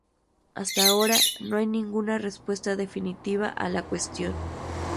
Hasta ahora no hay ninguna respuesta definitiva a la cuestión.